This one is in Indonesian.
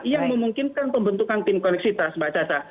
yang memungkinkan pembentukan tim koneksitas mbak caca